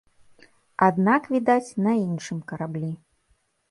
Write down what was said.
Аднак, відаць, на іншым караблі.